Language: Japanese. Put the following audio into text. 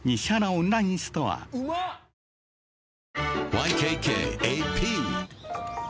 ＹＫＫＡＰ